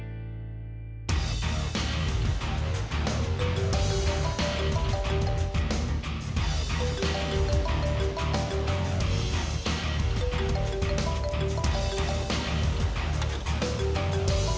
nah dia tadi ngomong oldperson